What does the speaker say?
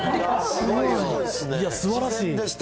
いや、すばらしい。